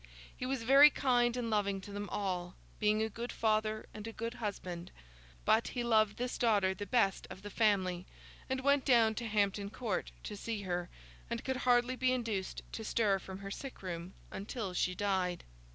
He was very kind and loving to them all, being a good father and a good husband; but he loved this daughter the best of the family, and went down to Hampton Court to see her, and could hardly be induced to stir from her sick room until she died.